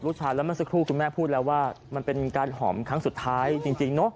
แล้วเมื่อสักครู่คุณแม่พูดแล้วว่ามันเป็นการหอมครั้งสุดท้ายจริงเนอะ